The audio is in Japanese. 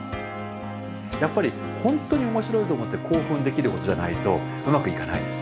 やっぱり本当に面白いと思って興奮できることじゃないとうまくいかないです。